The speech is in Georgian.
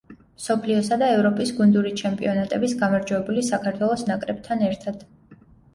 მსოფლიოსა და ევროპის გუნდური ჩემპიონატების გამარჯვებული საქართველოს ნაკრებთან ერთად.